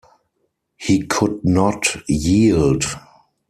He could not yield.